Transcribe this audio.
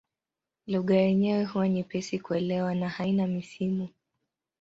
Lugha yenyewe huwa nyepesi kuelewa na haina misimu.